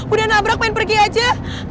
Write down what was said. udah nabrak main pergi aja